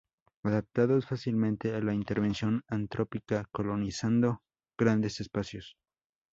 Adaptados fácilmente a la intervención antrópica colonizando grandes espacios.